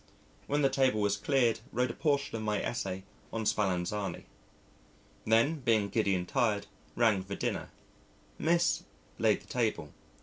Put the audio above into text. When the table was cleared wrote a portion of my essay on Spallanzani.... Then, being giddy and tired, rang for dinner. Miss laid the table.